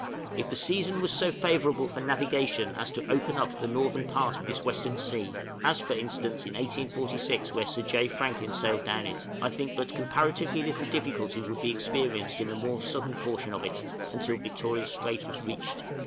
If the season was so favorable for navigation as to open the northern part of this western sea (as, for instance, in 1846, when Sir J. Franklin sailed down it), I think but comparatively little difficulty would be experienced in the more southern portion of it until Victoria Strait was reached.